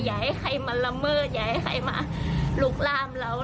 อย่าให้ใครมาละเมิดอย่าให้ใครมาลุกล่ามเรา